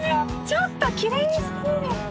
ちょっときれいすぎる！